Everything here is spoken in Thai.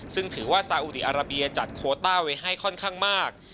ซึ่งถือว่าซาอุดีอาราเบียจัดโคต้าไว้ให้ค่อนข้างมาก